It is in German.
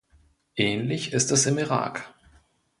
Ähnlich ist es im Irak.